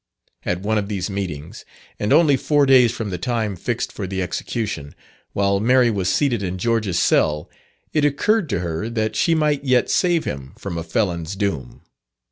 At one of these meetings, and only four days from the time fixed for the execution, while Mary was seated in George's cell, it occurred to her that she might yet save him from a felon's doom.